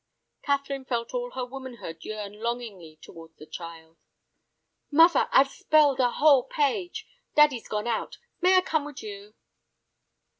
Catherine felt all her womanhood yearn longingly towards the child. "Muvver. I've spelled a whole page. Daddy's gone out. May I come wid you?"